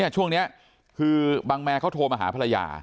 ช่วงนี้คือบังแมนเขาโทรมาหาภรรยา